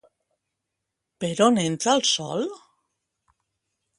Per on entra el sol?